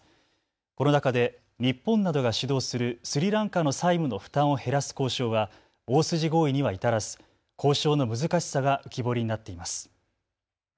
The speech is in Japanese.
この中で日本などが主導するスリランカの債務の負担を減らす交渉は大筋合意には至らず交渉の難しさが浮き彫りになっています。